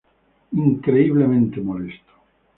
Increíblemente molesto.